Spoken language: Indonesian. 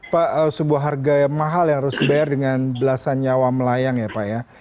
pak sebuah harga yang mahal yang harus dibayar dengan belasan nyawa melayang ya pak ya